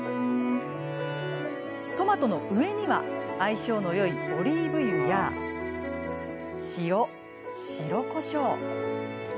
トマトの上には相性のよいオリーブ油や塩、白こしょう。